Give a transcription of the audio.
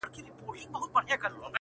نۀ صنم كآفر نۀ عقيده د دۀ كافره وه